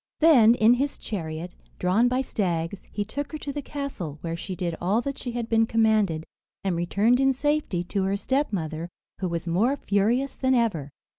Then, in his chariot, drawn by stags, he took her to the castle, where she did all that she had been commanded, and returned in safety, to her stepmother, who was more furious than ever.